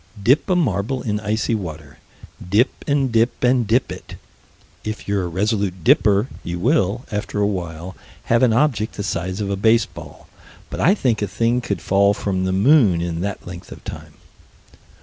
Dip a marble in icy water. Dip and dip and dip it. If you're a resolute dipper, you will, after a while, have an object the size of a baseball but I think a thing could fall from the moon in that length of time.